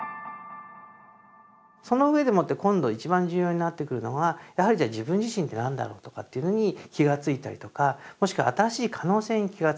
その上でもって今度一番重要になってくるのはやはりじゃ自分自身って何だろうとかっていうのに気が付いたりとかもしくは新しい可能性に気が付く。